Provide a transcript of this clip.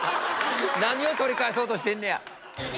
何を取り返そうとしてんねや。